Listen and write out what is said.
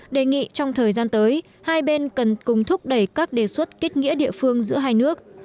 đề nghị trong thời gian tới hai bên cần cùng thúc đẩy các đề xuất kết nghĩa địa phương giữa hai nước